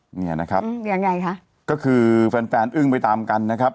อ่านี่นะครับอย่างใยค่ะก็คือแฟนเอื้งไปตามกันนะครับ